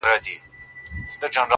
سو بېهوښه هغه دم يې زکندن سو!.